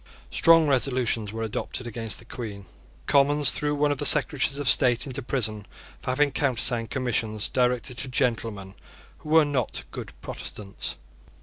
Strong resolutions were adopted against the Queen. The Commons threw one of the Secretaries of State into prison for having countersigned commissions directed to gentlemen who were not good Protestants.